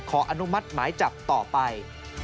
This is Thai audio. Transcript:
อนุมัติหมายจับต่อไป